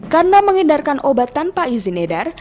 karena menghindarkan obat tanpa izin edar